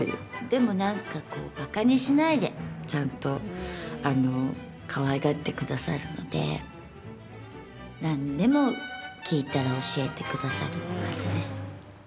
でもなんか、こうばかにしないでちゃんと、あのかわいがってくださるので何でも聞いたら教えてくださるはずです。